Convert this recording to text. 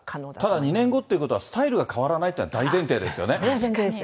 ただ２年後ということはスタイルが変わらないというのが大前それは前提ですね。